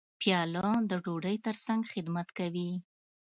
پیاله د ډوډۍ ترڅنګ خدمت کوي.